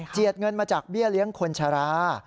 เจียดเงินมาจากเบี้ยเลี้ยงคนชรา